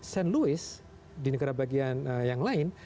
st louis di negara bagian yang lain